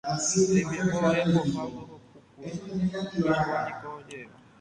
Tembiapo vai apoha ndohopukúvai, upéicha niko oje'éva.